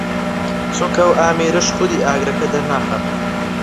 چونکە ئەو ئامێرەش خودی ئاگرەکە دەرناخات